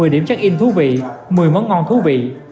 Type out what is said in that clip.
một mươi điểm check in thú vị một mươi món ngon thú vị